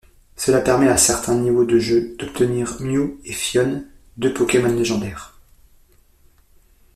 Cela permet, à certains niveaux du jeu, d'obtenir Mew et Phione, deux Pokémon Légendaires.